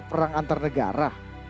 perang antar negara